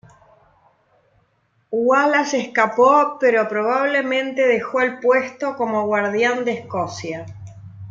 Wallace escapó pero probablemente dejó el puesto como Guardián de Escocia.